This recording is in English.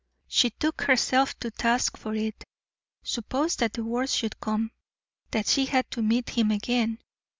She took herself to task for it. Suppose that the worst should come, that she had to meet him again!